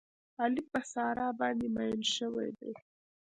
علي په ساره باندې مین شوی دی.